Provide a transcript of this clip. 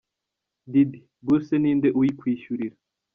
Diddy : Bourse ni nde uyikwishyurira ?.